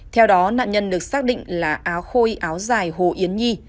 theo đó nạn nhân được xác định là áo khôi áo dài hồ yến nhi